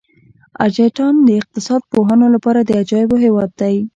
ارجنټاین د اقتصاد پوهانو لپاره د عجایبو هېواد دی.